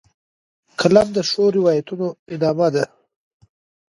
قلم د ښو روایتونو ادامه ده